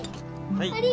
はい。